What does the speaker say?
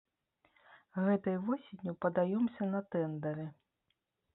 Гэтай восенню падаёмся на тэндары.